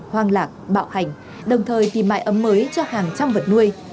hoang lạc bạo hành đồng thời tìm mái ấm mới cho hàng trăm vật nuôi